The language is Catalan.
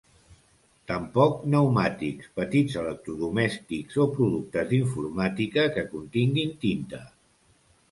Tampoc pneumàtics, petits electrodomèstics o productes d'informàtica que continguin tinta.